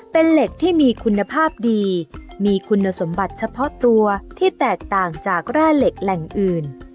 เป็นเหล็กที่มีคุณภาพดีมีคุณสมบัติเฉพาะตัวที่แตกต่างจากแร่เหล็กแหล่งอื่น